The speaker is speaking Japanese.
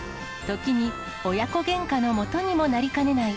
時に親子げんかのもとにもなりかねない